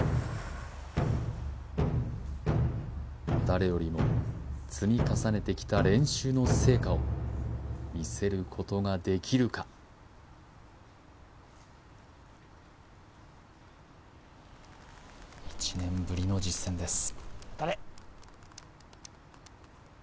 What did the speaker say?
誰よりも積み重ねてきた練習の成果を見せることができるか１年ぶりの実戦です